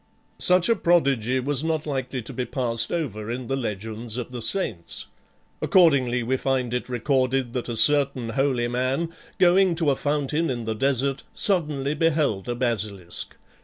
Such a prodigy was not likely to be passed over in the legends of the saints. Accordingly we find it recorded that a certain holy man, going to a fountain in the desert, suddenly beheld a basilisk.